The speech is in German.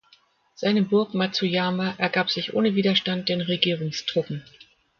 Seine Burg Matsuyama ergab sich ohne Widerstand den Regierungstruppen.